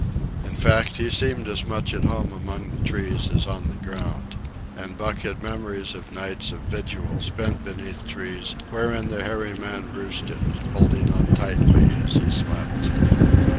In fact, he seemed as much at home among the trees as on the ground; and Buck had memories of nights of vigil spent beneath trees wherein the hairy man roosted, holding on tightly as he slept.